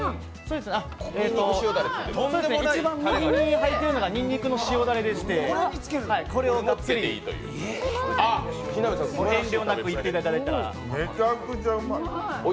一番右に入っているのがにんにく塩だれですので、これをがっつりいっていただいたら。